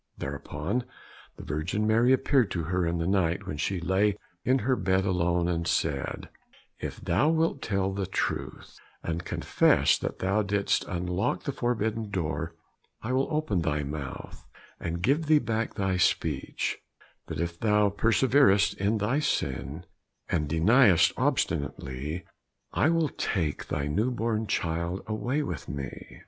Thereupon the Virgin Mary appeared to her in the night when she lay in her bed alone, and said, "If thou wilt tell the truth and confess that thou didst unlock the forbidden door, I will open thy mouth and give thee back thy speech, but if thou perseverest in thy sin, and deniest obstinately, I will take thy new born child away with me."